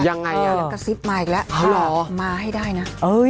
ยังไงกระซิบมาอีกแล้วมาให้ได้นะ